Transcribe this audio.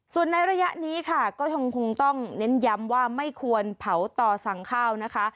ส่วนในระยะนี้ค่ะก็ยังคงต้องเน้นย้ำว่าไม่ควรเผาต่อสั่งข้าวนะคะ